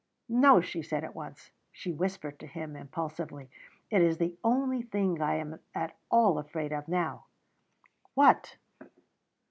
"No," she said at once. She whispered to him impulsively: "It is the only thing I am at all afraid of now." "What?"